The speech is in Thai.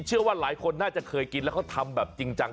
เชื่อว่าหลายคนน่าจะเคยกินแล้วเขาทำแบบจริงจัง